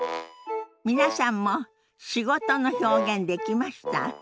皆さんも「仕事」の表現できました？